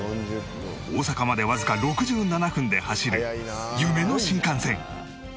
大阪までわずか６７分で走る夢の新幹線